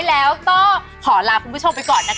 แล้วก็ขอลาคุณผู้ชมไปก่อนนะคะ